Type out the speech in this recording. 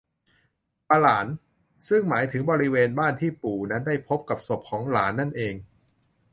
ปะหลาน ซึ่งหมายถึงบริเวณบ้านที่ปู่นั้นได้พบกับศพของหลานนั่นเอง